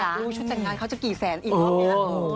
อยากรู้ชุดแต่งงานเขาจะกี่แสนอีกครั้งนี้ละ